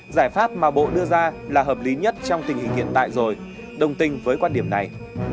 giải pháp mà bộ đưa ra là hợp lý nhất trong tình hình hiện tại rồi đồng tình với quan điểm này